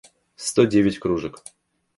сто девять кружек